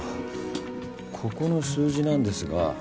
ここの数字なんですが。